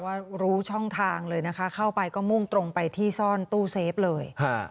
ว่ารู้ช่องทางเลยนะคะเข้าไปก็มุ่งตรงไปที่ซ่อนตู้เซฟเลย